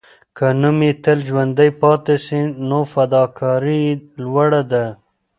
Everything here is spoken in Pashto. که نوم یې تل ژوندی پاتې سي، نو فداکاري یې لوړه ده.